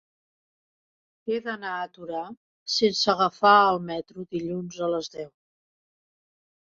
He d'anar a Torà sense agafar el metro dilluns a les deu.